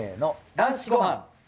『男子ごはん』。